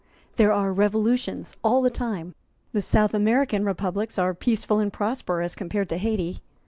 There are revolutions all the time; the South American republics are peaceful and prosperous compared to Hayti.